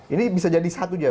ini bisa jadi satu dia